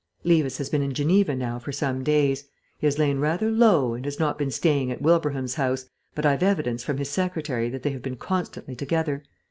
Levis has been in Geneva now for some days. He has lain rather low and has not been staying at Wilbraham's house, but I've evidence from his secretary that they have been constantly together.